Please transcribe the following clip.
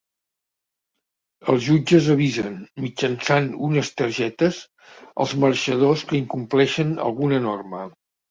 Els jutges avisen, mitjançant unes targetes, els marxadors que incompleixen alguna norma.